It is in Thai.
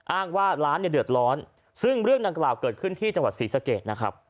อ้างว่าร้านเนี่ยเดือดร้อนซึ่งเรื่องดังกล่าวเกิดขึ้นที่จังหวัดศรีสะเกดนะครับ